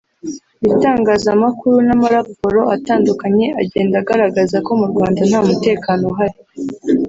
ibitangazamakuru n’amaraporo atandukanye agenda agaragaza ko mu Rwanda nta mutekano uhari